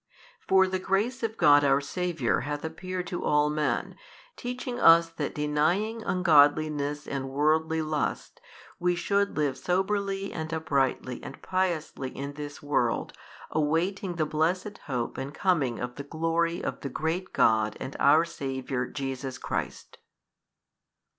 For the grace of God our Saviour 22 hath appeared to all men, teaching us that denying ungodliness and worldly lusts we should live soberly and uprightly and piously in this world awaiting the blessed hope and coming of the glory of the great God and our Saviour Jesus Christ.